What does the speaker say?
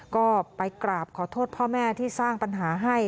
ก็ไปกราบขอโทษพ่อแม่ที่สร้างปัญหาให้